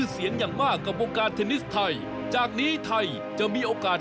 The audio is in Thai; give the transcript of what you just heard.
ซ้อม